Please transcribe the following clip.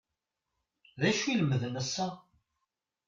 D acu i lemden ass-a?